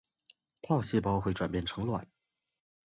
套细胞会转变成卵。